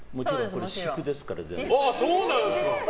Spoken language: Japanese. これ、私服ですから、全部。